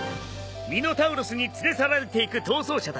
ミノタウロスに連れ去られていく逃走者たち。